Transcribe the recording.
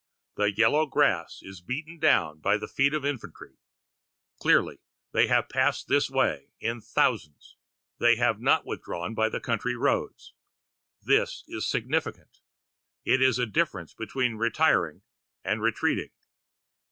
The yellow grass is beaten down by the feet of infantry. Clearly they have passed this way in thousands; they have not withdrawn by the country roads. This is significant it is the difference between retiring and retreating.